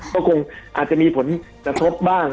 ก็คงอาจจะมีผลกระทบบ้าง